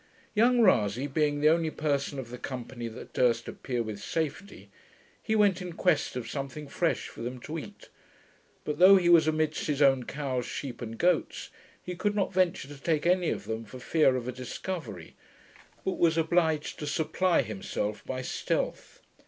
Young Rasay being the only person of the company that durst appear with safety, he went in quest of something fresh for them to eat; but though he was amidst his own cows, sheep, and goats, he could not venture to take any of them for fear of a discovery, but was obliged to supply himself by stealth.